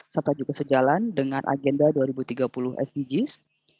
serta juga sejalan dengan agenda dua ribu tiga puluh sdgs